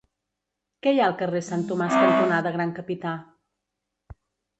Què hi ha al carrer Sant Tomàs cantonada Gran Capità?